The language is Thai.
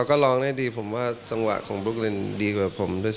แล้วก็ร้องได้ดีผมว่าจังหวะของบุ๊กลินดีกว่าผมด้วยซ